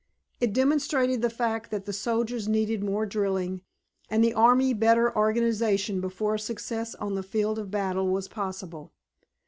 It demonstrated the fact that the soldiers needed more drilling and the army better organization before success on the field of battle was possible.